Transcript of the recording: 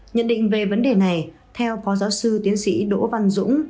nhận định về vấn đề này theo phó giáo sư tiến sĩ đỗ văn dũng